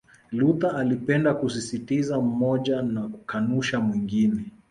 Luther alipenda kusisitiza mmoja na kukanusha mwingine